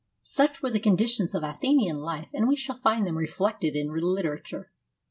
Such were the conditions of Athenian life, and we qhall J ind them reflected in literature.